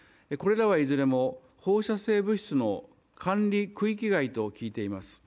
これらはいずれも放射性物質の管理区域外と聞いています。